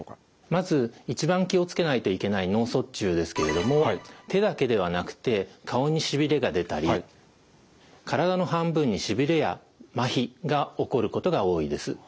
まず一番気を付けないといけない脳卒中ですけれども手だけではなくて顔にしびれが出たり体の半分にしびれやまひが起こることが多いです。